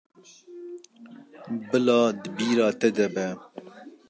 Bila di bîra te de be.